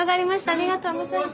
ありがとうございます。